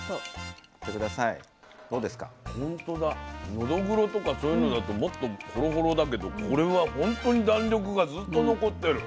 のどぐろとかそういうのだともっとホロホロだけどこれはほんとに弾力がずっと残ってる。